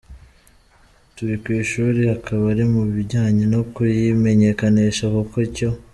"Turi ku ishuri, akaba ari mu bijyanye no kuyimenyekanisha, kuko icyo.